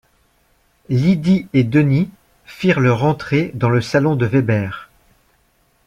Lydie et Denis firent leur entrée dans le salon de Weber.